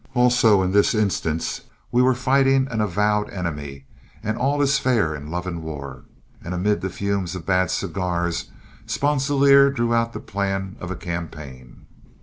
Also in this instance we were fighting an avowed enemy, and all is fair in love and war. And amid the fumes of bad cigars, Sponsilier drew out the plan of campaign.